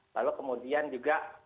lalu kemudian juga